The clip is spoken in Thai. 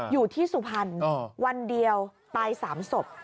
อยู่ที่สุภัณฑ์วันเดียวตาย๓สมอ้อ